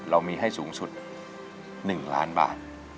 เรามีให้สูงสุด๑ล้านบาท